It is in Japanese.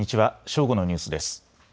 正午のニュースです。